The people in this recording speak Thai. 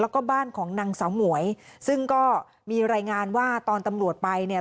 แล้วก็บ้านของนางเสาหมวยซึ่งก็มีรายงานว่าตอนตำรวจไปเนี่ย